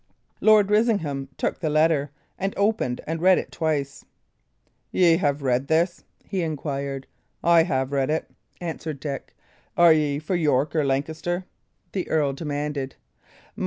Lord Risingham took the letter, and opened and read it twice. "Ye have read this?" he inquired. "I have read it," answered Dick. "Are ye for York or Lancaster?" the earl demanded.